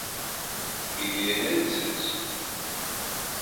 İlgilenir misiniz?